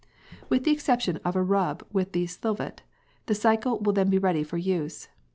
With the exception of a rub with the "selvyt" the cycle will then be ready for use.